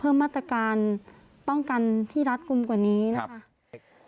แล้วก็ย้ำว่าจะเดินหน้าเรียกร้องความยุติธรรมให้ถึงที่สุด